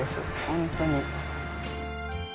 本当に。